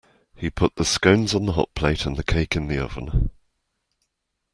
He put the scones on the hotplate, and the cake in the oven